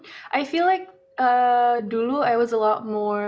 saya merasa seperti dulu saya lebih berdosa